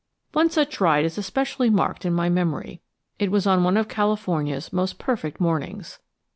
One such ride is especially marked in my memory. It was on one of California's most perfect mornings.